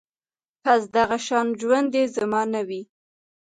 بس دغه شان ژوند دې زما نه وي